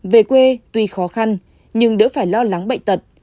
về quê tuy khó khăn nhưng đỡ phải lo lắng bệnh tật